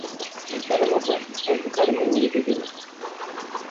Ji kerema xwe, ez dikarim menûyê bibînim.